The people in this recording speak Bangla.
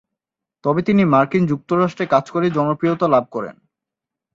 তবে তিনি মার্কিন যুক্তরাষ্ট্রে কাজ করেই জনপ্রিয়তা লাভ করেন।